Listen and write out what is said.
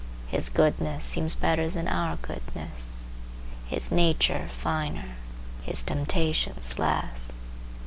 His goodness seems better than our goodness, his nature finer, his temptations less.